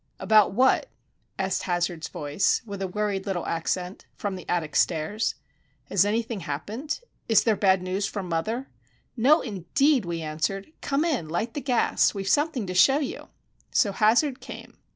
"About what?" asked Hazard's voice, with a worried little accent, from the attic stairs. "Has anything happened? Is there bad news from mother?" "No, indeed," we answered. "Come in. Light the gas. We've something to show you." So Hazard came.